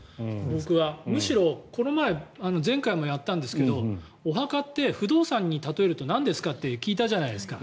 むしろ、この前前回もやったんですがお墓って不動産に例えるとなんですかって聞いたじゃないですか。